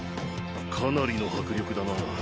かなりの迫力だな。